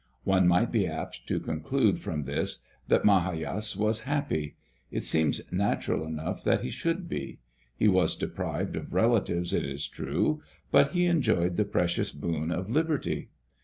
One might be apt to conclude from this that Migajas was happy. It seems natural enough that he should be. He was deprived of relatives, it is true, but he enjoyed the precious boon of liberty.